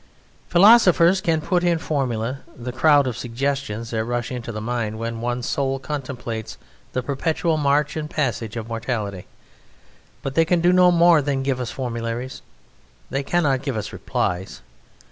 Philosophers can put in formulae the crowd of suggestions that rush into the mind when one's soul contemplates the perpetual march and passage of mortality. But they can do no more than give us formularies: they cannot give us replies.